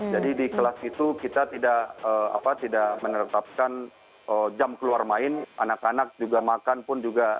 jadi di kelas itu kita tidak menetapkan jam keluar main anak anak juga makan pun juga